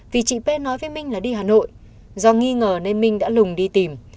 vì chị p nói với minh là đi hà nội do nghi ngờ nên minh đã lùng đi tìm